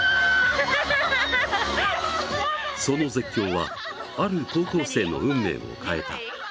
その絶叫はある高校生の運命を変えた。